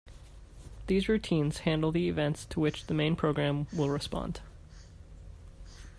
These routines handle the events to which the main program will respond.